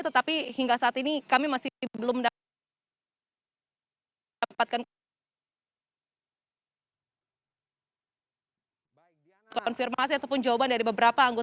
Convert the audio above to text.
tetapi hingga saat ini kami masih belum dapatkan konfirmasi ataupun jawaban dari beberapa anggota